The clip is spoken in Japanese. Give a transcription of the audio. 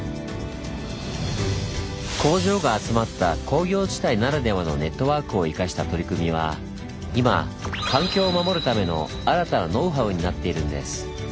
工場が集まった工業地帯ならではのネットワークを生かした取り組みは今環境を守るための新たなノウハウになっているんです。